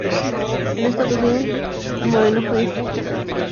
En esa ocasión, Moreno fue designado perito en representación del gobierno argentino.